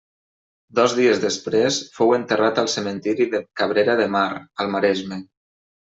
Dos dies després fou enterrat al cementiri de Cabrera de Mar, al Maresme.